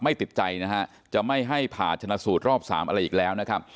ติดใจนะฮะจะไม่ให้ผ่าชนะสูตรรอบสามอะไรอีกแล้วนะครับ